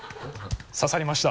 刺さりました。